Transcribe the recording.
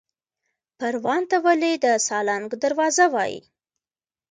پروان ته ولې د سالنګ دروازه وایي؟